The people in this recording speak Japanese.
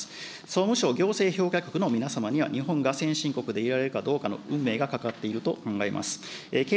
総務省行政評価局の皆様には、日本が先進国でいられるかどうかの運命がかかっているかどうか考えます。